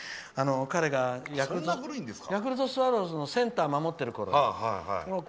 彼がヤクルトスワローズのセンターを守ってるころから。